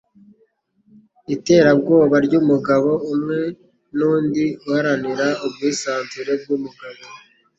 Iterabwoba ryumugabo umwe nundi uharanira ubwisanzure bwumugabo.